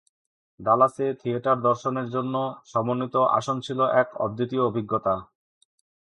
ডালাসে theatre দর্শকদের জন্য সমন্বিত আসন ছিল এক অদ্বিতীয় অভিজ্ঞতা।